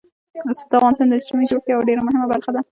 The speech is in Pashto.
رسوب د افغانستان د اجتماعي جوړښت یوه ډېره مهمه برخه ده.